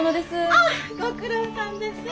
あっご苦労さんです。